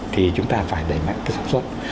thì chúng ta phải đẩy mạnh cái sản xuất